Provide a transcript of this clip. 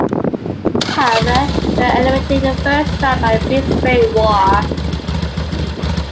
However, they were eliminated in the first round by Brisbane Roar.